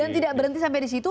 dan tidak berhenti sampai di situ